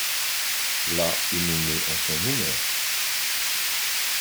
La est nommée en son honneur.